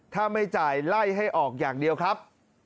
ถ้าไม่จ่ายไล่ให้ออกอย่างเดียวครับ